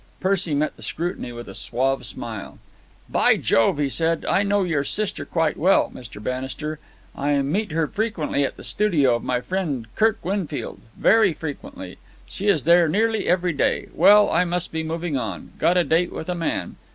Percy met the scrutiny with a suave smile. "By Jove!" he said. "I know your sister quite well, Mr. Bannister. I meet her frequently at the studio of my friend Kirk Winfield. Very frequently. She is there nearly every day. Well, I must be moving on. Got a date with a man.